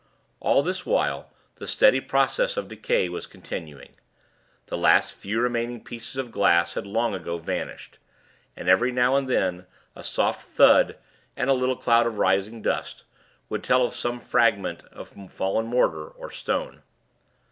All this while, the steady process of decay was continuing. The few remaining pieces of glass, had long ago vanished; and, every now and then, a soft thud, and a little cloud of rising dust, would tell of some fragment of fallen mortar or stone.